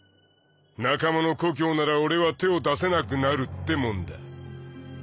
仲間の故郷なら俺は手を出せなくなるってもんだ